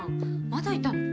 まだいたの？